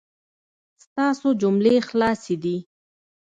ستاسو جملې خلاصې دي